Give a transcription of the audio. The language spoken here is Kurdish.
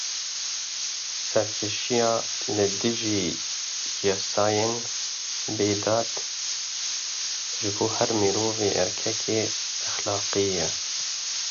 Serkêşiya li dijî yasayên bêdad, ji bo her mirovî erkekî exlaqî ye.